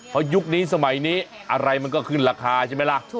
เพราะยุคนี้สมัยนี้อะไรมันก็ขึ้นราคาใช่ไหมล่ะ